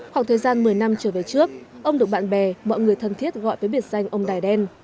khoảng thời gian một mươi năm trở về trước ông được bạn bè mọi người thân thiết gọi với biệt danh ông đài đen